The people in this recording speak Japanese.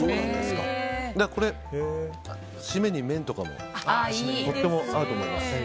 これ、締めに麺とかも合うと思います。